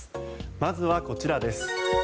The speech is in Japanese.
まずはこちらです。